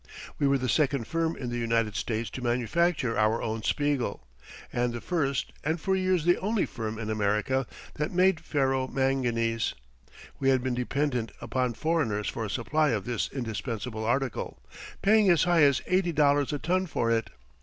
We were the second firm in the United States to manufacture our own spiegel, and the first, and for years the only, firm in America that made ferro manganese. We had been dependent upon foreigners for a supply of this indispensable article, paying as high as eighty dollars a ton for it.